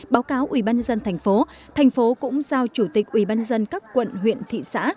báo cáo ủy ban nhân dân tp tp cũng giao chủ tịch ủy ban nhân dân các quận huyện thị xã